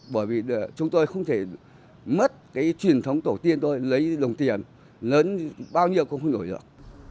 bởi vì chúng tôi không thể mất cái truyền thống tổ tiên tôi lấy đồng tiền lớn bao nhiêu cũng không đổi được